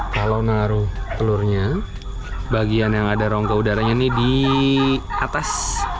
kalau naruh telurnya bagian yang ada rongga udaranya ini di atas